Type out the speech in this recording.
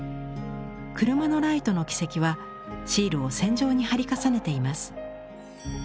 車のライトの軌跡はシールを線状に貼り重ねています。